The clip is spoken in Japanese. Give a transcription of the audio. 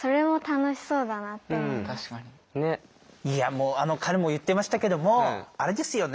もうあの彼も言ってましたけどもあれですよね